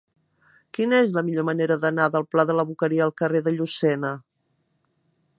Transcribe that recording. Quina és la millor manera d'anar del pla de la Boqueria al carrer de Llucena?